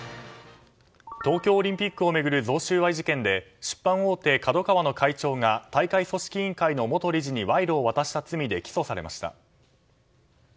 東京オリンピックを巡る贈収賄事件で出版大手ＫＡＤＯＫＡＷＡの会長が大会組織委員会の元理事に賄賂を渡した罪で起訴されました。